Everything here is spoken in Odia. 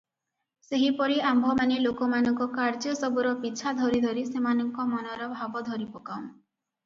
ସେହିପରି ଆମ୍ଭମାନେ ଲୋକମାନଙ୍କ କାର୍ଯ୍ୟସବୁର ପିଛା ଧରି ଧରି ସେମାନଙ୍କ ମନର ଭାବ ଧରିପକାଉଁ ।